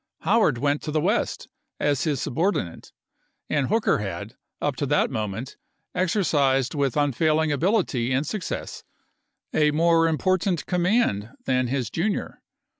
Howard went to the West as his sub ordinate; and Hooker had, up to that moment, exercised with unfailing ability and success a more important command than his junior.